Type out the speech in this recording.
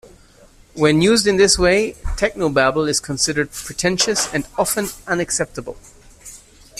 When used in this way, technobabble is considered pretentious and often unacceptable.